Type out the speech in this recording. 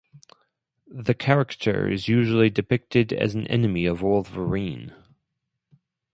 The character is usually depicted as an enemy of Wolverine.